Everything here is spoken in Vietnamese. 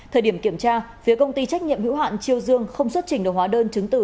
thời điểm kiểm tra phía công ty trách nhiệm hữu hạn triều dương không xuất trình được hóa đơn chứng từ